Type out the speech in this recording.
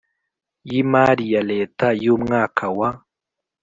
y imari ya Leta y umwaka wa